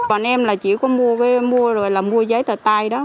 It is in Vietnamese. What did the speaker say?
còn em chỉ có mua giấy tờ tay đó